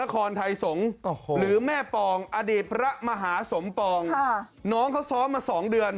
จะบอกจากหัวใจ